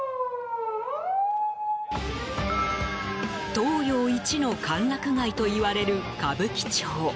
東洋一の歓楽街といわれる歌舞伎町。